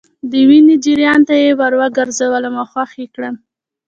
د وينا جريان ته يې ور ګرځولم او خوښ يې کړم.